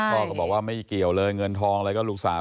ก็บอกว่าไม่เกี่ยวเลยเงินทองอะไรก็ลูกสาว